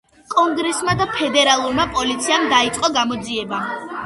კონგრესმა და ფედერალურმა პოლიციამ დაიწყო გამოძიება.